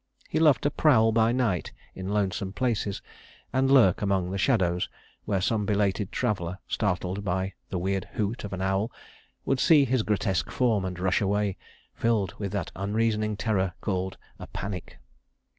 He loved to prowl by night in lonesome places, and lurk among the shadows where some belated traveler, startled by the weird hoot of an owl, would see his grotesque form and rush away, filled with that unreasoning terror called a "panic."